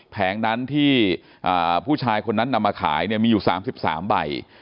แผงนั้นที่ผู้ชายคนนั้นนำมาขายมีอยู่๓๓ใบ